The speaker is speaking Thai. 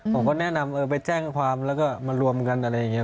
ผมก็แนะนำเออไปแจ้งความแล้วก็มารวมกันอะไรอย่างนี้